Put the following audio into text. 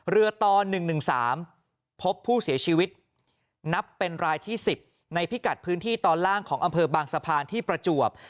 เรือต่อ๑๑๓พบผู้เสียชีวิตนับเป็นรายที่๑๐ในพิกัดพื้นที่ตอนล่างของอำเภอบางสะพานที่ประจวบ